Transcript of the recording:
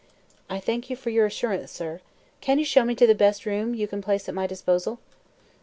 "I thank you for your assurance, sir. Can you show me to the best room you can place at my disposal?"